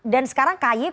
dan sekarang kaye kok